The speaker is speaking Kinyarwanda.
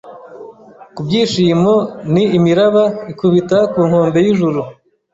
kubyishimo Ni Imiraba ikubita ku nkombe yIjuru